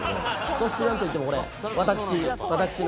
そしてなんといってもこれ。